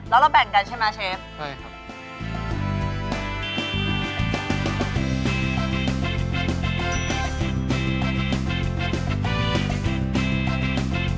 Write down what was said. แล้วเราแบ่งกันใช่ไหมเชฟใช่ครับ